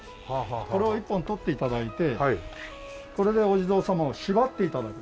これを１本取って頂いてこれでお地蔵様をしばって頂く。